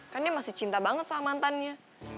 kan dia masih cinta banget sama mantannya